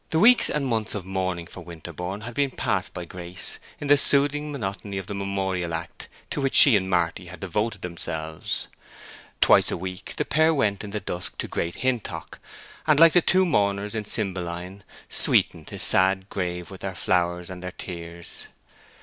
Weeks and months of mourning for Winterborne had been passed by Grace in the soothing monotony of the memorial act to which she and Marty had devoted themselves. Twice a week the pair went in the dusk to Great Hintock, and, like the two mourners in Cymbeline, sweetened his sad grave with their flowers and their tears.